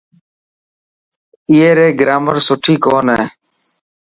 اي ري گرامر سڻي ڪون هي.